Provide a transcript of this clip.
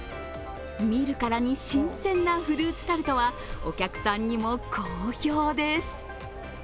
見るからに新鮮なフルーツタルトはお客さんにも好評です。